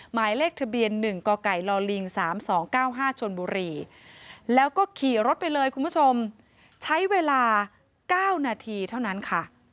หมายเลขทะเบียน๑กไก่ลิง๓๒๙๕ชนบุรีแล้วก็ขี่รถไปเลยคุณผู้ชมใช้เวลา๙นาทีเท่านั้นค่ะ